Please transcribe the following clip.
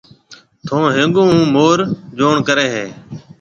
تو ھيَََنگون ھون مور جوڻ ڪرَي ھيََََ